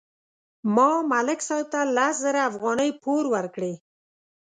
ما ملک صاحب ته لس زره افغانۍ پور ورکړې.